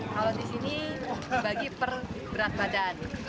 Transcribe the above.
kalau disini dibagi per berat badan